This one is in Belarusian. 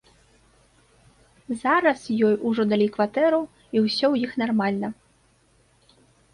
Зараз ёй ужо далі кватэру і ўсё ў іх нармальна.